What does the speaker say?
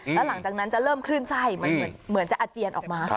แล้วหลังจากนั้นจะเริ่มคลื่นไส้เหมือนจะอาเจียนออกมา